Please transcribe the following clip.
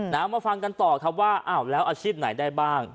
มาฟังกันต่อครับว่าอ้าวแล้วอาชีพไหนได้บ้าง